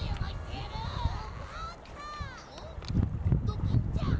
ドキンちゃん！